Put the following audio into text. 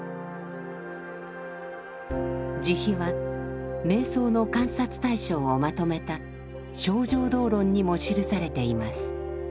慈悲は瞑想の観察対象をまとめた「清浄道論」にも記されています。